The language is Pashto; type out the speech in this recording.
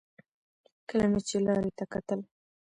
کله مې چې لارې ته کتل.